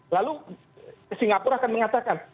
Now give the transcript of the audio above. lalu singapura akan mengatakan